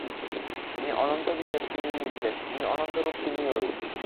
যিনি অনন্তবিশেষ তিনিই নির্বিশেষ, যিনি অনন্তরূপ তিনিই অরূপ।